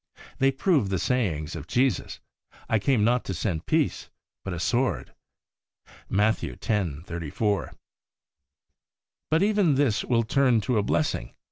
They prove the sayings of Jesus, ' I came not to send peace, but a sword ' (Matt. x. 34). But even this will turn to a blessing.